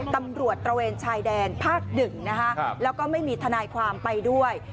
ตำรวจตระเวนชายแดนภาคหนึ่งนะคะแล้วก็ไม่มีทนายความไปด้วย